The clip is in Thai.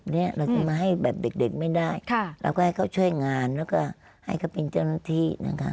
เราจะมาให้แบบเด็กไม่ได้เราก็ให้เขาช่วยงานแล้วก็ให้เขาเป็นเจ้าหน้าที่นะคะ